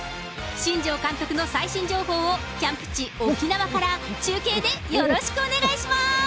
新庄監督の最新情報をキャンプ地、沖縄から中継でよろしくお願いします。